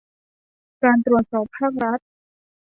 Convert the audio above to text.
การตรวจสอบภาครัฐ